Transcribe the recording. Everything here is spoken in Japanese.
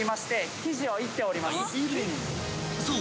［そう。